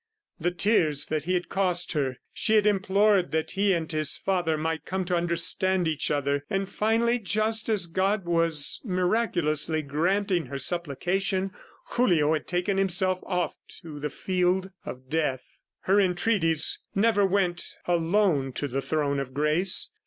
The tears that he had cost her! ... She had implored that he and his father might come to understand each other, and finally just as God was miraculously granting her supplication, Julio had taken himself off to the field of death. Her entreaties never went alone to the throne of grace.